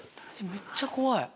めっちゃ怖い。